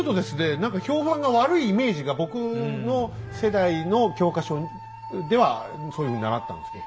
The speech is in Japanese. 何か評判が悪いイメージが僕の世代の教科書ではそういうふうに習ったんですけど。